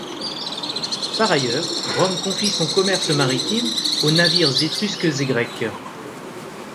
Par ailleurs, Rome confie son commerce maritime aux navires étrusques et grecs.